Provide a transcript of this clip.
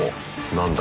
何だ？